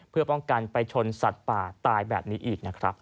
เพื่อป้องกันไปชนสัตว์ป่าตายแบบนี้อีกนะครับ